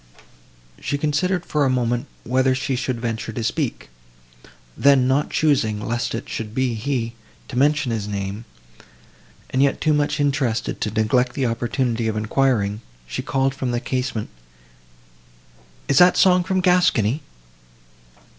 She considered for a moment whether she should venture to speak: then, not choosing, lest it should be he, to mention his name, and yet too much interested to neglect the opportunity of enquiring, she called from the casement, "Is that song from Gascony?"